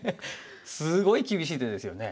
すごい厳しい手ですよね。